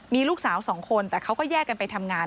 มีลูกสาวสองคนแต่เขาก็แยกกันไปทำงาน